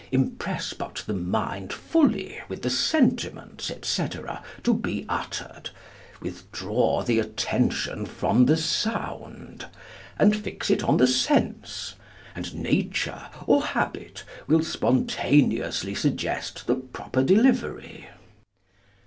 Impress but the mind fully with the sentiments, etc., to be uttered; withdraw the attention from the sound, and fix it on the sense; and nature, or habit, will spontaneously suggest the proper delivery.'